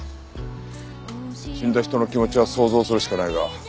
死んだ人の気持ちは想像するしかないが。